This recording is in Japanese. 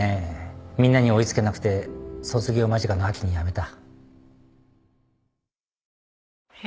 みんなに追い付けなくて卒業間近の秋に辞めた。